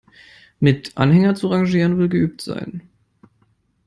Mit Anhänger zu rangieren, will geübt sein.